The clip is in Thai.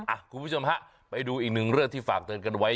คุณผู้ชมฮะไปดูอีกหนึ่งเรื่องที่ฝากเตือนกันไว้